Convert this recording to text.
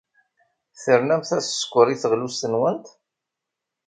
Ternamt-as sskeṛ i teɣlust-nwent.